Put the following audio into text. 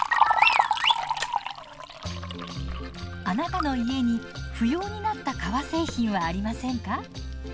あなたの家に不要になった革製品はありませんか？